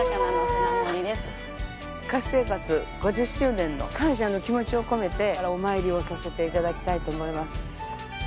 歌手生活５０周年の感謝の気持ちを込めてお参りをさせていただきたいと思います。